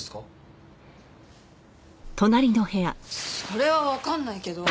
それはわかんないけど。